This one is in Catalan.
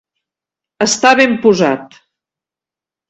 Estar ben posat.